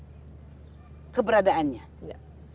dan kita amankan